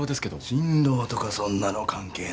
新郎とかそんなの関係ないから。